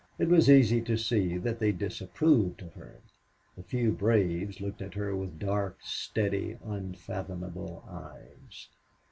It was easy to see that they disapproved of her. The few braves looked at her with dark, steady, unfathomable eyes.